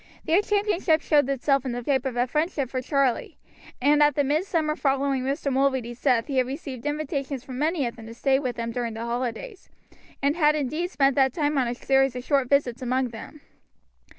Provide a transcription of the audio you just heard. Their championship showed itself in the shape of friendship for Charlie; and at the midsummer following Mr. Mulready's death he had received invitations from many of them to stay with them during the holidays, and had indeed spent that time on a series of short visits among them.